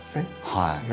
はい。